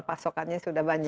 pasokannya sudah banyak